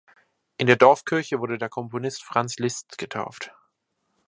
In der Dorfkirche wurde der Komponist Franz Liszt getauft.